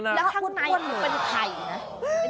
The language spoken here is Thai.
แล้วทั้งควรที่เป็นไข่นะ